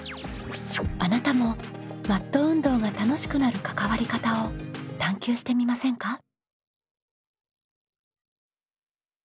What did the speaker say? あなたもマット運動が楽しくなる関わり方を探究してみませんか？